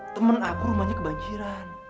temen aku rumahnya kebanjiran